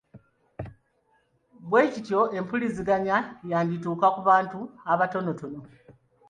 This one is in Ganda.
Bw’ekityo empuliziganya yandituuka ku bantu abatono.